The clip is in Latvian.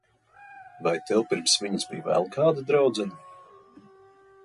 Vai tev pirms viņas bija vēl kāda draudzene?